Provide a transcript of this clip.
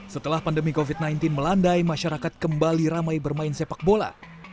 setelah pandemi covid sembilan belas melandai masyarakat kembali ramai bermain sepak bola